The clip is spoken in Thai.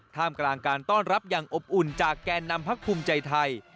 ท่ามกลางการต้อนรับอย่างอบอุ่นจากแกนนำพักภูมิใจไทย